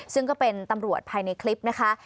ซึ่งก็เป็นตำรวจภายในคลิปนะคะ